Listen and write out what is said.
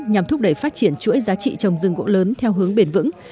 nhằm thúc đẩy phát triển chuỗi giá trị trồng rừng gỗ lớn theo hướng bền vững